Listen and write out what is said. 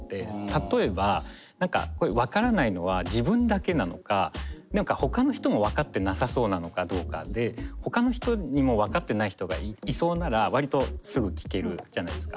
例えば何かこれ分からないのは自分だけなのか何かほかの人も分かってなさそうなのかどうかでほかの人にも分かってない人がいそうなら割とすぐ聞けるじゃないですか。